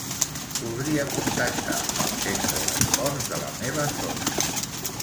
Voldria contactar al centre d'esports de la meva zona.